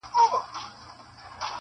• په سل ګونو یې ترې جوړ کړل قفسونه-